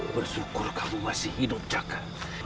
bersyukur kamu masih hidup jaga